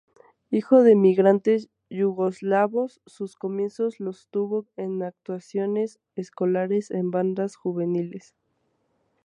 Hijo de emigrantes yugoslavos, sus comienzos los tuvo en actuaciones escolares en bandas juveniles.